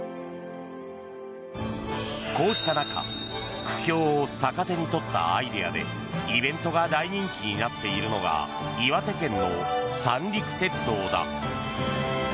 こうした中苦境を逆手に取ったアイデアでイベントが大人気になっているのが岩手県の三陸鉄道だ。